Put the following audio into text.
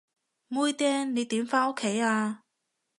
妹釘，你點返屋企啊？